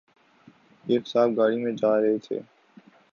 ایک صاحب گاڑی میں جارہے تھے